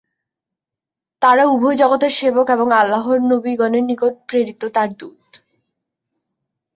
তারা উভয় জগতের সেবক এবং আল্লাহর নবীগণের নিকট প্রেরিত তার দূত।